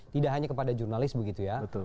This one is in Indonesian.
tidak hanya kepada jurnalis begitu ya